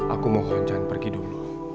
aku mohon jangan pergi dulu